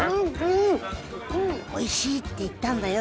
「おいしい」って言ったんだよ